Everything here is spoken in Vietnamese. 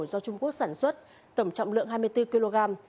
do trung quốc sản xuất tổng trọng lượng hai mươi bốn kg